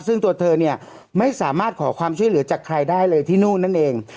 ซึ่งตัวเธอเนี่ยไม่สามารถขอความช่วยเหลือจากใครได้เลยที่นู่นนั่นเอง